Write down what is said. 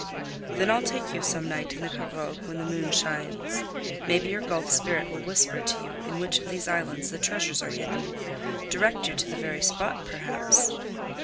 "Then I'll take you some night in the pirogue when the moon shines. Maybe your Gulf spirit will whisper to you in which of these islands the treasures are hidden—direct you to the very spot, perhaps."